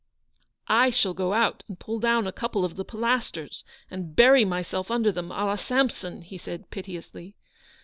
" I shall go out and pull down a couple of the Pilasters, and bury myself under them, a la Samson," he said piteously.